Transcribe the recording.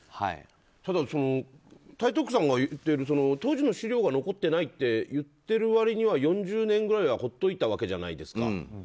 ただ、台東区さんが言っている当時の資料が残ってないって言っている割には４０年ぐらいはほっといたわけじゃないですか。